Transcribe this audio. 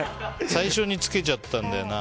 最初に付けちゃったんだよな。